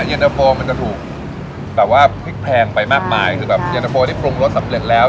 เย็นตะโฟมันจะถูกแบบว่าพริกแพงไปมากมายคือแบบเย็นตะโฟนี่ปรุงรสสำเร็จแล้ว